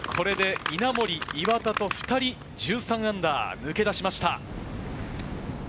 稲森・岩田と２人、−１３と抜け出しました。